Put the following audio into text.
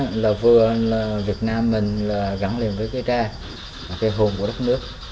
cái mục đích là vừa là việt nam mình gắn liền với cái tre cái hồn của đất nước